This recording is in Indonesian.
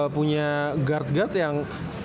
punya guard guard yang